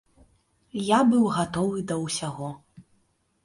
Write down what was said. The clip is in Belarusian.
Я быў гатовы да ўсяго.